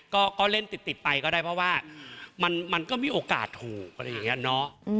ก็เล่นติดไปก็ได้เพราะว่ามันก็มีโอกาสถูกอะไรอย่างนี้เนาะ